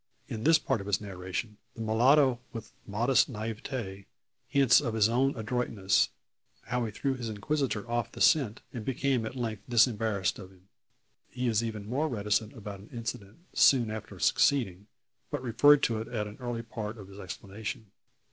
In this part of his narration, the mulatto with modest naivete, hints of his own adroitness; how he threw his inquisitor off the scent, and became at length disembarrassed of him. He is even more reticent about an incident, soon after succeeding, but referred to it at an early part of his explanation.